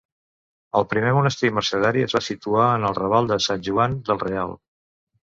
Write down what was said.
El primer monestir mercedari es va situar en el raval de Sant Joan del Real.